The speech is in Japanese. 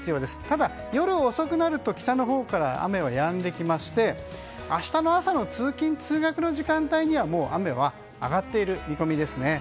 ただ、夜遅くなると北のほうから雨はやんできまして明日の朝の通勤・通学時間帯には雨は上がっている見込みですね。